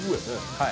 はい。